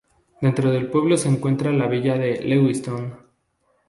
Dentro del pueblo se encuentra la villa de Lewiston.